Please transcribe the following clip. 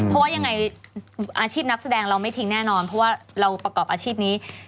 เพราะว่ายังไงอาชีพนักแสดงเราไม่ทิ้งแน่นอนเพราะว่าเราประกอบอาชีพนี้